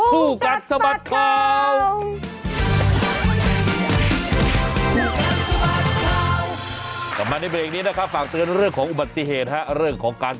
ผู้กัดสมัครคราว